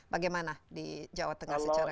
bagaimana di jawa tengah secara